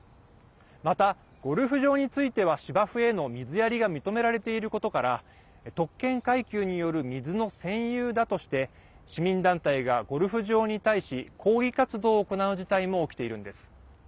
また、ゴルフ場については芝生への水やりが認められていることから特権階級による水の占有だとして市民団体がゴルフ場に対し抗議活動を行う事態も起きているんです。